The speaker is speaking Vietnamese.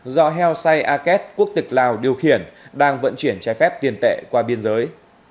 do hell s eye arcade quốc tịch lào điều khiển đang vận chuyển trái phép tiền tệ qua biên giới